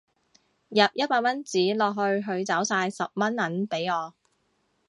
入一百蚊紙落去佢找晒十蚊銀俾我